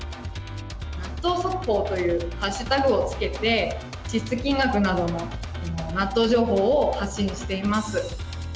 納豆速報というハッシュタグをつけて、支出金額などの納豆情報を発信しています。